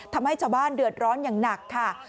ทำให้ชาวบ้านเดือดร้อนอย่างหนักค่ะ